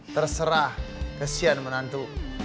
terserah kesian menantu